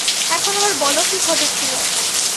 এখন আবার বলো কি ঘটেছিল।